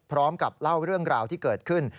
พร้อมกับเล่าเรื่องราวที่เกิดขึ้น